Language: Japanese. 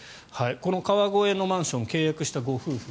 この川越のマンション契約したご夫婦